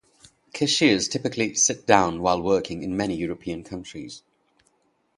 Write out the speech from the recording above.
Cashiers typically sit down while working in many European countries.